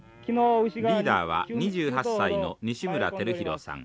リーダーは２８歳の西村光博さん。